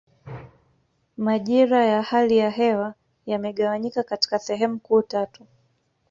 Majira ya hali ya hewa yamegawanyika katika sehemu kuu tatu